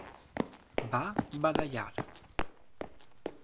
Va badallar.